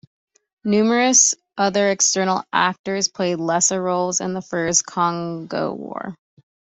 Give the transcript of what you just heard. Numerous other external actors played lesser roles in the First Congo War.